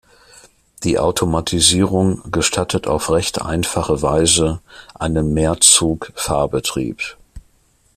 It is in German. Die Automatisierung gestattet auf recht einfache Weise einen Mehrzug-Fahrbetrieb.